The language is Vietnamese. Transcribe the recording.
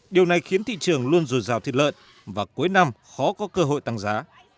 điều này khiến thị trường luôn rùi rào thịt lợn và cuối năm khó có cơ hội tăng giá